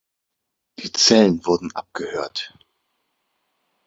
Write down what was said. Die Zellen wurden abgehört.